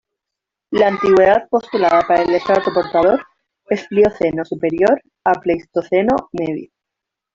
La antigüedad postulada para el estrato portador es Plioceno superior a Pleistoceno medio.